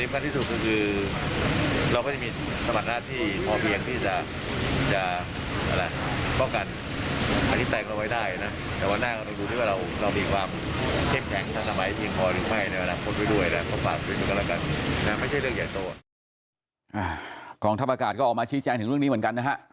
กองทัพอากาศก็ออกมาชี้แจงถึงเรื่องนี้เหมือนกันนะฮะ